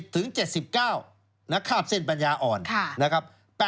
ถึง๗๙คาบเส้นปัญญาอ่อนนะครับ